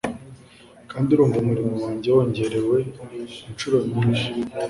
kandi urumva umuriro wanjye wongerewe inshuro nyinshi